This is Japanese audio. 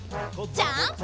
ジャンプ！